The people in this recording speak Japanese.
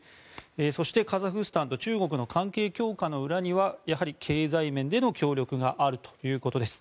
そして、カザフスタンと中国の関係強化の裏にはやはり、経済面での協力があるということです。